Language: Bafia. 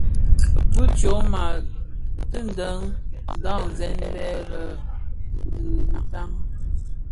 Bi tyoma tidëň dhasèn bè lè dhi bitaň.